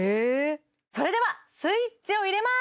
それではスイッチを入れます